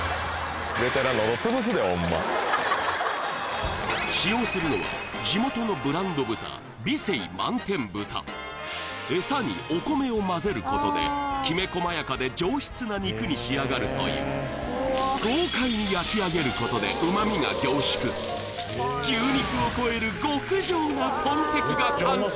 ホンマ使用するのは地元のブランド豚餌にお米を混ぜることできめ細やかで上質な肉に仕上がるという豪快に焼き上げることで牛肉を超える極上なトンテキが完成